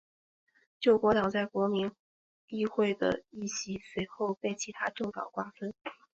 救国党在国民议会的议席随后被其它政党瓜分。